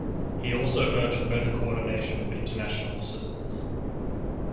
He also urged better coordination of international assistance.